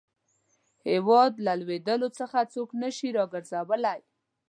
هیواد له لوېدلو څخه څوک نه شي را ګرځولای.